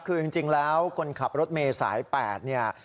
คือจริงแล้วคนขับรถเมย์สาย๘เนี่ย